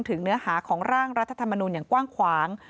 เนื้อหาของร่างรัฐธรรมนูลอย่างกว้างขวาง